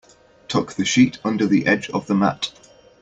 Tuck the sheet under the edge of the mat.